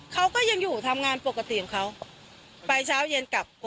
เขาเป็นคนสาวที่ไปคุยแล้ว